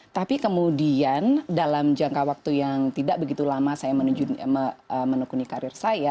tapi kemudian dalam jangka waktu yang tidak begitu lama saya menekuni karir saya